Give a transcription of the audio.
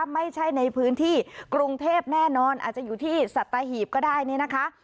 ไม่ใช่ในพื้นที่กรุงเทพแน่นอนอาจจะอยู่ที่สัตหีบก็ได้นี่นะคะ